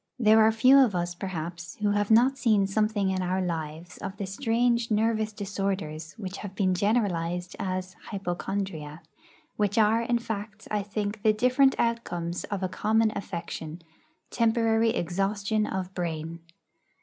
There are few of us, perhaps, who have not seen something in our lives of the strange nervous disorders which have been generalised as 'hypochondria,' which are, in fact, I think, the different outcomes of a common affection temporary exhaustion of brain.